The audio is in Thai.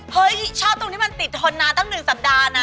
ชอบตรงที่มันติดทนนานตั้ง๑สัปดาห์นะ